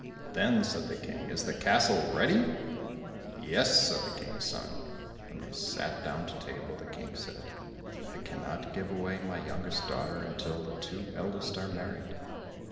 Then said the King, "Is the castle ready?" "Yes," said the King's son. When they sat down to table, the King said, "I cannot give away my youngest daughter until the two eldest are married."